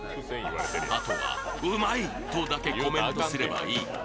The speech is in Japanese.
あとは、「うまい」とだけコメントすればいい。